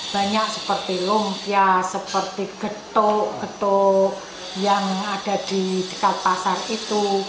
banyak seperti lumpia seperti getok getuk yang ada di dekat pasar itu